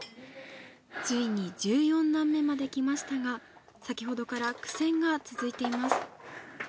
ついに１４段目まできましたが先ほどから苦戦が続いています。